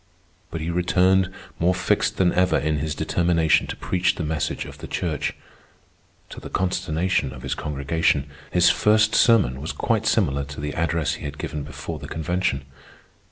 But he returned more fixed than ever in his determination to preach the message of the Church. To the consternation of his congregation, his first sermon was quite similar to the address he had given before the Convention.